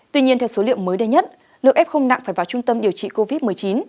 tuy nhiên theo số liệu mới đây nhất lượng f nặng phải vào trung tâm điều trị covid một mươi chín